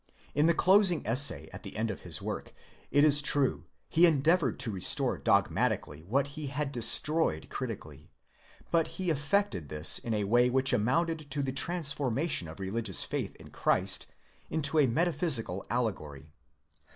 In the closing essay at the end of his work, it is true, he endeavoured to restore dogmatically what he had destroyed critically, but he effected this in a way which amounted to the transformation of religious faith in Christ into a metaphysical allegory.